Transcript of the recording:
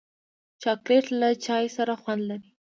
چاکلېټ له چای سره خوند لري.